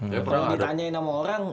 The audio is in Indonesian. kalo ditanyain sama orang